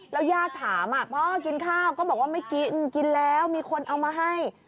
แล้วญาติถามพ่อกินข้าวก็บอกว่าไม่กินกินแล้วมีคนเอามาให้